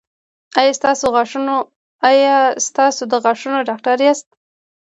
ایا تاسو د غاښونو ډاکټر یاست؟